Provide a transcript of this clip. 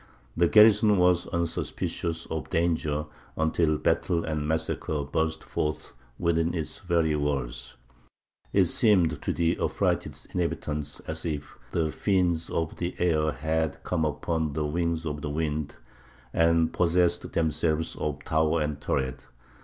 The garrison was unsuspicious of danger until battle and massacre burst forth within its very walls. It seemed to the affrighted inhabitants as if the fiends of the air had come upon the wings of the wind, and possessed themselves of tower and turret.